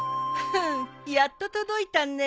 フッやっと届いたね。